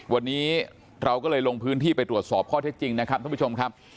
วันนี้เราก็เลยลงพื้นที่ไปตรวจสอบข้อเท็จจริงนะครับท่านผู้ชมครับ